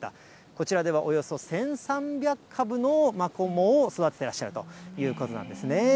こちらではおよそ１３００株のマコモを育ててらっしゃるということなんですね。